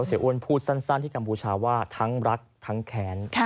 เสียอ้วนพูดสั้นที่กัมพูชาว่าทั้งรักทั้งแค้น